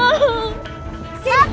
bapak ibu tolong